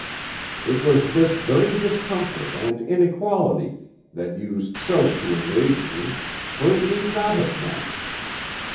It was this very discomfort and inequality that used so to enrage me, for it need not have been."